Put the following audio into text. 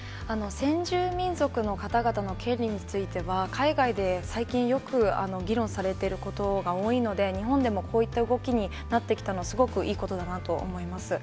先住民族の方々の権利については、海外で最近よく議論されていることが多いので、日本でもこういった動きになってきたの、すごくいいことだなと思います。